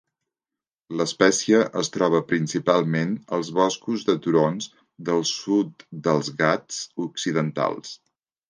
L'espècie es troba principalment als boscos de turons del sud dels Ghats Occidentals.